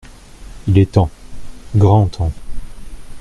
Il est temps,. grand temps !…